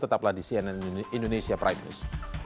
tetaplah di cnn indonesia prime news